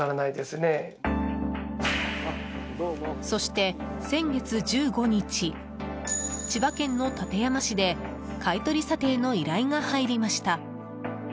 そして先月１５日千葉県の館山市で買い取り査定の依頼が入りました。